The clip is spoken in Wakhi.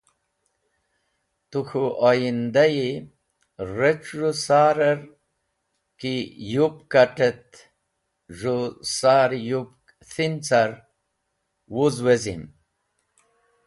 Tu k̃hũ oyindayi, rec̃h z̃hũ sarer ki yupk kat̃ et z̃hũ sar yupk thin car, wuz wezi’m.